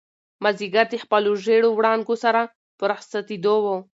مازیګر د خپلو ژېړو وړانګو سره په رخصتېدو و.